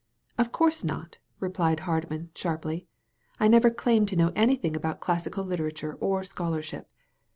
"Of course not," replied Hardman sharply. "I never claimed to know anything about classical literature or scholarship.